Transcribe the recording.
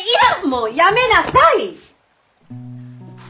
もうやめなさい！